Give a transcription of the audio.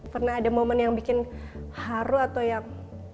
karena ada momen yang bikin haru atau yang